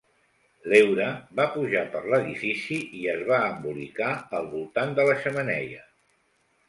L'heura va pujar per l'edifici i es va embolicar al voltant de la xemeneia.